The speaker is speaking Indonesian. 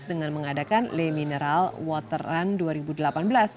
dengan mengadakan le mineral water run dua ribu delapan belas